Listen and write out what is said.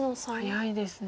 早いですね。